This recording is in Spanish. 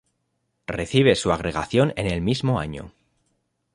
Recibe su agregación en el mismo año.